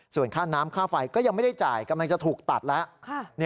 ส่วนค่าน้ำค่าไฟก็ยังไม่ได้จ่ายกำลังจะถูกตัดแล้ว